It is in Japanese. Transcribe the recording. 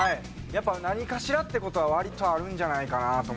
やっぱ何かしらって事は割とあるんじゃないかなと思いますね。